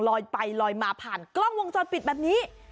ลอยไปลอยมาผ่านกล้องวงจรปิดแบบนี้